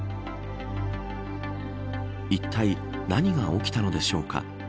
いったい何が起きたのでしょうか。